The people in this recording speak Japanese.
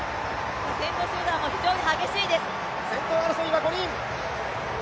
先頭集団も非常に激しいです。